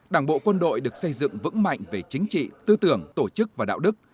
đảng bộ quân đội được xây dựng vững mạnh về chính trị tư tưởng tổ chức và đạo đức